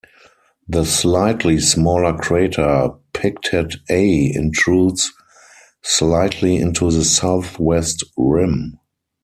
The slightly smaller crater Pictet A intrudes slightly into the southwest rim.